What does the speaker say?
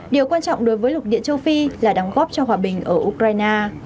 điều quan trọng đối với lục địa châu phi là đóng góp cho hòa bình ở ukraine